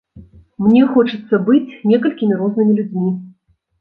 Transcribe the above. Мне хочацца быць некалькімі рознымі людзьмі.